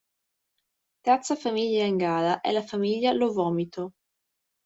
Terza famiglia in gara è la famiglia Lo Vomito.